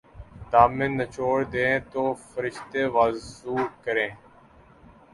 دامن نچوڑ دیں تو فرشتے وضو کریں''